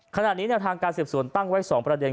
ขณะนี้แนวทางการสืบสวนตั้งไว้๒ประเด็น